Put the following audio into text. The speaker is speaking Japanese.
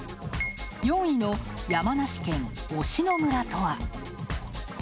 ４位の山梨県忍野村とは。